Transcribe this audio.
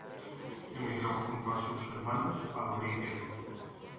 Emigró junto a sus hermanos a Bolivia.